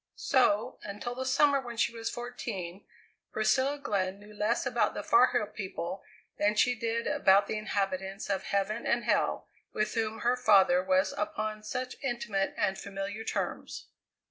So, until the summer when she was fourteen, Priscilla Glenn knew less about the Far Hill people than she did about the inhabitants of heaven and hell, with whom her father was upon such intimate and familiar terms.